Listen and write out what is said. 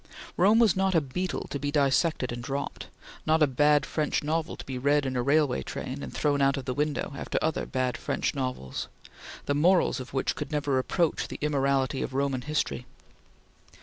Rome was not a beetle to be dissected and dropped; not a bad French novel to be read in a railway train and thrown out of the window after other bad French novels, the morals of which could never approach the immorality of Roman history.